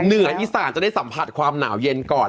เหนืออีสานจะได้สัมผัสความหนาวเย็นก่อน